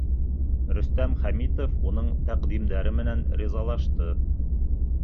Рөстәм Хәмитов уның тәҡдимдәре менән ризалашты.